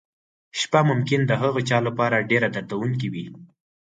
شپه ممکن د هغه چا لپاره ډېره دردونکې وي.